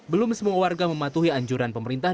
belum semua warga mematuhi anjuran pemerintah